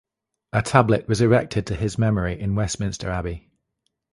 A tablet was erected to his memory in Westminster Abbey.